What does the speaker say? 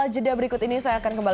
jadi sebagai acknowledged members